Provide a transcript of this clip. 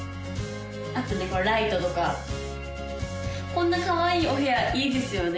あとねライトとかこんなかわいいお部屋いいですよね